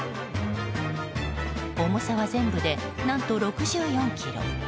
重さは全部で何と６４ｋｇ。